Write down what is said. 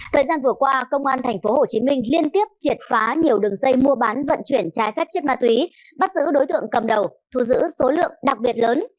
thời gian vừa qua công an tp hcm liên tiếp triệt phá nhiều đường dây mua bán vận chuyển trái phép chất ma túy bắt giữ đối tượng cầm đầu thu giữ số lượng đặc biệt lớn